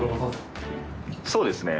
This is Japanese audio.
そうですね。